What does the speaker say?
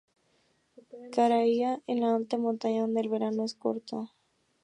Cría en alta montaña, donde el verano es corto.